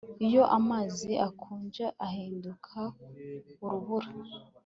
Iyo amazi akonje ahinduka urubura